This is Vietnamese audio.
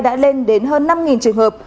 đã lên đến hơn năm trường hợp